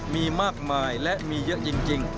มีมากมายและมีเยอะจริง